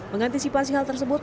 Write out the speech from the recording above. mengantisipasi hal tersebut